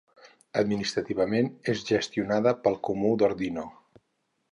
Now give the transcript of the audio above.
Administrativament és gestionada pel Comú d'Ordino.